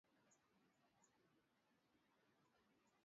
Bonde la Ziwa Tanganyika liko Magharibi mwa nchi ya Tanzania